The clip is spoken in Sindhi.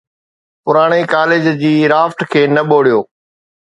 پراڻي ڪاليج جي رافٽ کي نه ٻوڙيو.